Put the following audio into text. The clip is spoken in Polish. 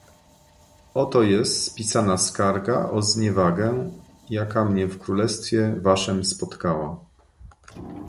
"Oto jest spisana skarga o zniewagę, jaka mnie w królestwie waszem spotkała."